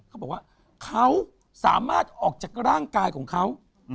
เขาบอกว่าเขาสามารถออกจากร่างกายของเขา